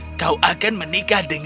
dan kau akan jadi wisota president